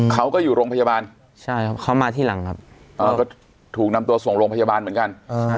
เขาก็อยู่โรงพยาบาลใช่ครับเขามาที่หลังครับก็ถูกนำตัวส่งโรงพยาบาลเหมือนกัน